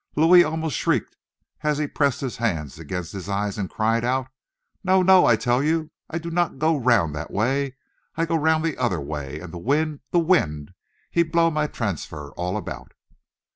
Louis almost shrieked as he pressed his hands against his eyes, and cried out: "No! no! I tell you I did not go round that way! I go round the other way, and the wind the wind, he blow my transfer all about!"